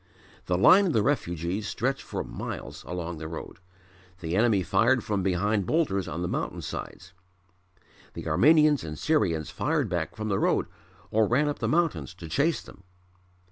The line of the refugees stretched for miles along the road. The enemy fired from behind boulders on the mountain sides. The Armenians and Syrians fired back from the road or ran up the mountains to chase them.